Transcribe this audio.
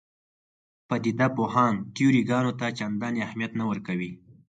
پدیده پوهان تیوري ګانو ته چندانې اهمیت نه ورکوي.